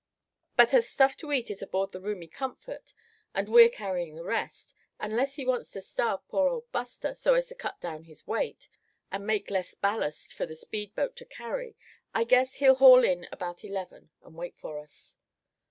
But as stuff to eat is aboard the roomy Comfort, and we're carrying the rest, unless he wants to starve poor old Buster, so as to cut down his weight, and make less ballast for the speed boat to carry, I guess he'll haul in about eleven and wait for us."